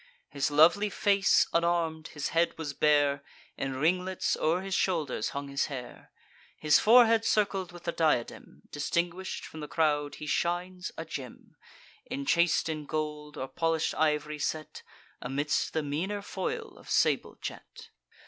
His lovely face unarm'd, his head was bare; In ringlets o'er his shoulders hung his hair. His forehead circled with a diadem; Distinguish'd from the crowd, he shines a gem, Enchas'd in gold, or polish'd iv'ry set, Amidst the meaner foil of sable jet.